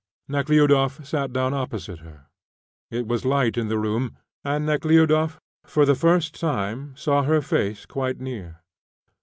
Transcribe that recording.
Nekhludoff sat down opposite her. It was light in the room, and Nekhludoff for the first time saw her face quite near.